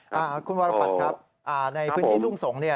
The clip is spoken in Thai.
คุณคุณวารผัทครับในพื้นที่ทุ่งสงทร์